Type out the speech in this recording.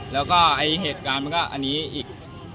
แล้วก็ไอ้เหตุการณ์มันก็อันนี้อีก